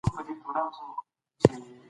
زه مخ پرېولم.